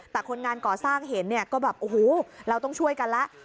แต่คนงานก่อสร้างเห็นรู้ว่าอุ่ฮูเราต้องช่วยกันแล้ว